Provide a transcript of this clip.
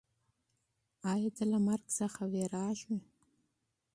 آیا ته له مرګ څخه ډارېږې؟